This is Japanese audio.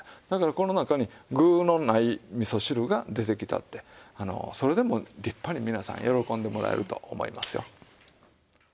だからこの中に具のない味噌汁が出てきたってそれでも立派に皆さん喜んでもらえると思いますよ。